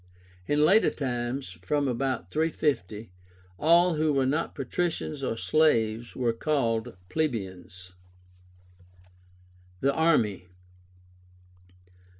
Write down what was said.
In later times (from about 350) all who were not Patricians or slaves were called Plebeians. THE ARMY.